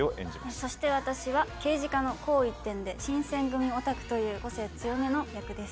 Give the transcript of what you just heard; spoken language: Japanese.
そして私は、刑事課の紅一点で、新選組オタクという、個性強めの役です。